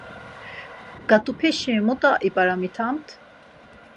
Ǩat̆upeşi muda ip̌aramitamt?